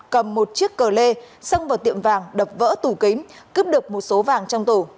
cầm một chiếc cờ lê xông vào tiệm vàng đập vỡ tủ kính cướp được một số vàng trong tổ